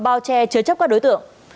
bao che chứa chấp các đối tượng